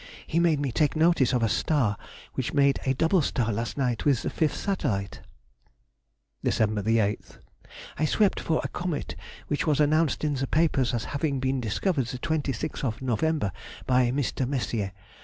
He made me take notice of a star, which made a double star last night with the fifth satellite. Dec. 8th.—I swept for a comet which was announced in the papers as having been discovered the 26th of November by Mr. Messier.